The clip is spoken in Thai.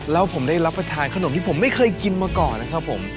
แล้วผมได้รับประทานขนมที่ผมไม่เคยกินมาก่อนนะครับผม